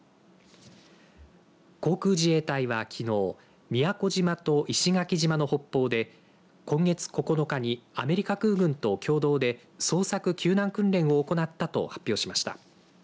航空自衛隊は、きのう宮古島と石垣島の北方で今月９日にアメリカ空軍と共同で捜索救難訓練を行ったと発表しました。